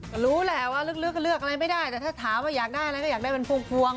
ก็รู้แหละว่าลึกก็เลือกอะไรไม่ได้แต่ถ้าถามว่าอยากได้อะไรก็อยากได้เป็นพวง